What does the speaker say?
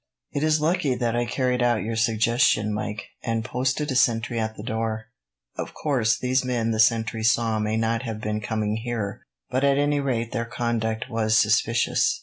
"It is lucky that I carried out your suggestion, Mike, and posted a sentry at the door. Of course, these men the sentry saw may not have been coming here, but at any rate their conduct was suspicious."